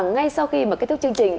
ngay sau khi kết thúc chương trình